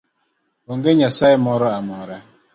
Onge nyasaye moro amora.